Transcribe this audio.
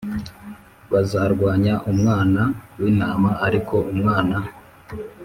Bazarwanya Umwana w Intama ariko Umwana